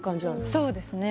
そうですね